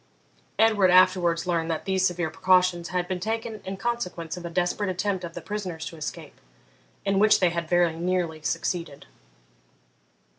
Edward afterwards learned that these severe precautions had been taken in consequence of a desperate attempt of the prisoners to escape, in which they had very nearly succeeded.